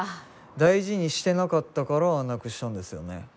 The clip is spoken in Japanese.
大事にしてなかったからなくしちゃうんですよね。